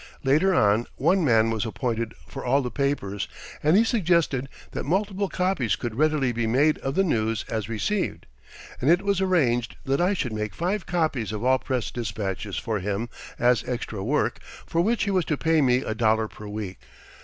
Later on one man was appointed for all the papers and he suggested that multiple copies could readily be made of the news as received, and it was arranged that I should make five copies of all press dispatches for him as extra work for which he was to pay me a dollar per week.